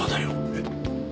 えっ？